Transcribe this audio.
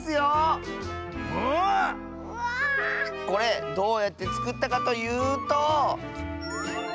これどうやってつくったかというと！